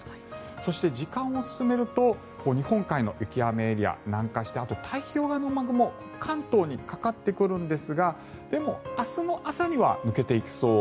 そして、時間を進めると日本海の雪や雨エリアは南下してあと太平洋側の雨雲も関東にかかってくるんですがでも、明日の朝には抜けていきそう。